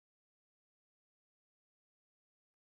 El catabolismo no comprende un ciclo del ácido cítrico completo.